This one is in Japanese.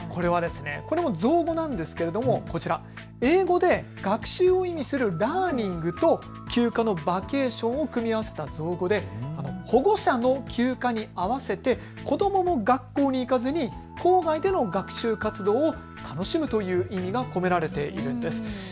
これも造語なんですけどこちら、英語で学習を意味するラーニングと休暇のバケーションを組み合わせた造語で保護者の休暇にあわせて子どもも学校に行かずに校外での学習活動を楽しむという意味が込められているんです。